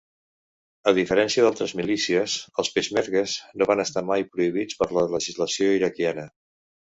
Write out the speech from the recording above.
A diferència d'altres milícies, els peixmergues no van estar mai prohibits per la legislació iraquiana.